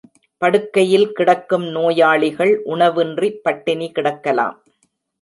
படுக்கையில் கிடக்கும் நோயாளிகள் உணவின்றி பட்டினி கிடக்கலாம்.